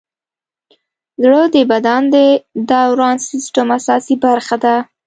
زړه د بدن د دوران سیسټم اساسي برخه ده.